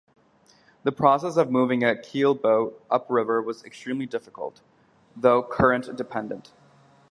The process of moving a keelboat upriver was extremely difficult, though current dependent.